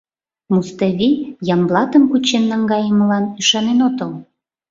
— Муставий Ямблатым кучен наҥгайымылан ӱшанен отыл.